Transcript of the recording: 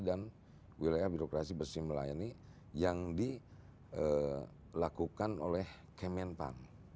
dan wilayah birokrasi bersimulasi yang dilakukan oleh kemenpang